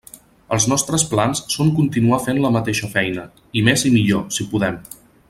Els nostres plans són continuar fent la mateixa feina, i més i millor, si podem.